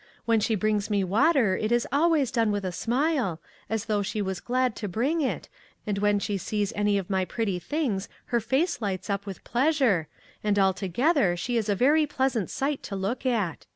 When she brings me water it is always done with a smile, as though she was glad to bring it, and when she sees any of my pretty things her face lights up with pleasure, and, altogether, she is a very pleasant sight to look at.